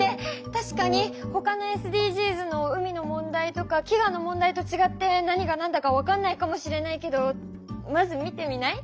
たしかにほかのＳＤＧｓの海の問題とかきがの問題とちがって何が何だか分かんないかもしれないけどまず見てみない？